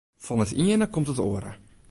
Fan it iene komt it oare.